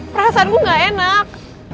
perasaan gue gak enak